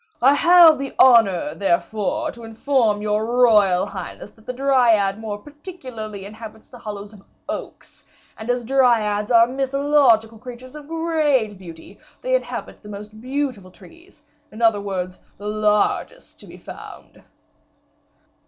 I have the honor, therefore, to inform your royal highness that the Dryad more particularly inhabits the hollows of oaks; and, as Dryads are mythological creatures of great beauty, they inhabit the most beautiful trees, in other words, the largest to be found."